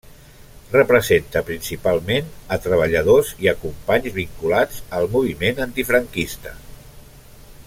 Representa principalment a treballadors i a companys vinculats al moviment antifranquista.